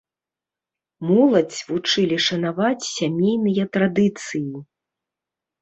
Моладзь вучылі шанаваць сямейныя традыцыі.